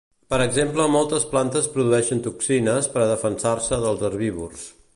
Per exemple moltes plantes produeixen toxines per a defensar-se dels herbívors.